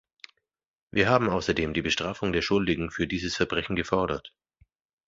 Wir haben außerdem die Bestrafung der Schuldigen für dieses Verbrechen gefordert.